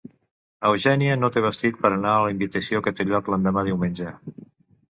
Eugènia no té vestit per anar a la invitació que té lloc l'endemà diumenge.